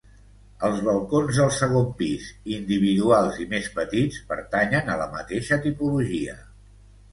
Els balcons del segon pis, individuals i més petits, pertanyen a la mateixa tipologia.